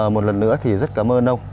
một lần nữa thì rất cảm ơn ông